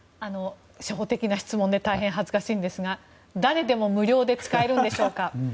初歩的な質問で大変恥ずかしいんですが誰でも無料で使えるんでしょうか。